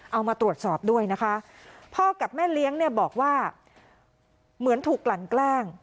เอามาตรวจสอบด้วยนะคะพ่อกับแม่เลี้ยงเนี่ยบอกว่าเหมือนถูกกลั่นแกล้ง